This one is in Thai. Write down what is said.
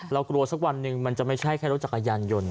เรากลัวสักวันหนึ่งมันจะไม่ใช่แค่รถจักรยานยนต์